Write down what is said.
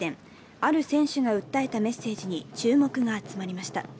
ある選手が訴えたメッセージに注目が集まりました。